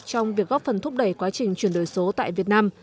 trong việc góp phần thúc đẩy quá trình chuyển đổi số tại việt nam